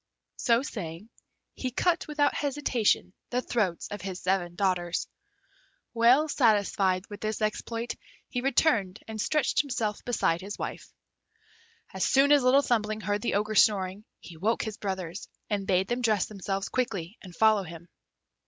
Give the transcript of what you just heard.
So saying, he cut without hesitation the throats of his seven daughters. Well satisfied with this exploit, he returned and stretched himself beside his wife. As soon as Little Thumbling heard the Ogre snoring, he woke his brothers, and bade them dress themselves quickly and follow him.